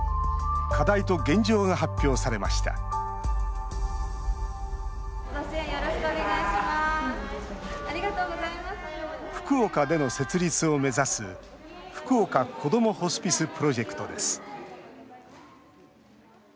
課題と現状が発表されました福岡での設立を目指す福岡子どもホスピスプロジェクトです。